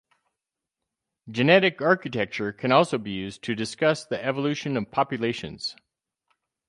Genetic architecture can also be used to discuss the evolution of populations.